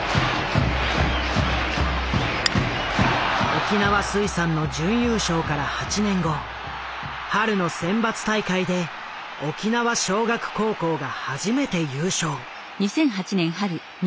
沖縄水産の準優勝から８年後春の選抜大会で沖縄尚学高校が初めて優勝。